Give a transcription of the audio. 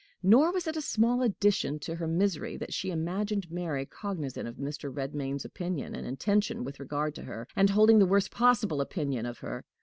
Nor was it a small addition to her misery that she imagined Mary cognizant of Mr. Redmain's opinion and intention with regard to her, and holding the worst possible opinion of her.